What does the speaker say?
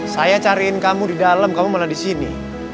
saya cariin kamu di dalam kamu mana disini